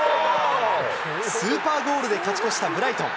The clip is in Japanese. スーパーゴールで勝ち越したブライトン。